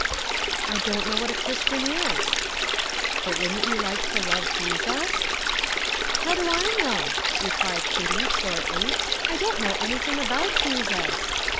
"I don't know what a Christian is." "But wouldn't you like to love Jesus?" "How do I know?" replied Kitty shortly. "I don't know anything about Jesus."